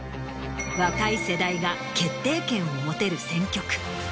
若い世代が決定権を持てる選挙区。